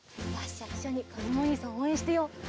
じゃあいっしょにかずむおにいさんをおうえんしてよう。